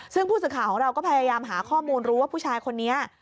ซึ่งผู้สื่อข่าวของเราก็พยายามหาข้อมูลรู้ว่าผู้ชายคนนี้